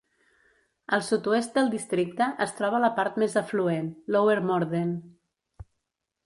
Al sud-oest del districte es troba la part més afluent, Lower Morden.